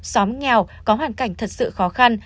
xóm nghèo có hoàn cảnh thật sự khó khăn